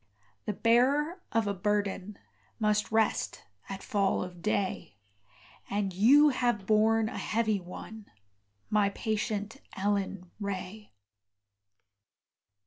The bearer of a burden Must rest at fall of day; And you have borne a heavy one, My patient Ellen Ray.